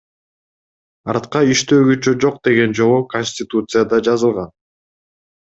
Артка иштөө күчү жок деген жобо Конституцияда жазылган.